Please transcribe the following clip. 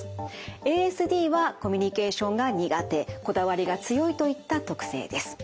ＡＳＤはコミュニケーションが苦手こだわりが強いといった特性です。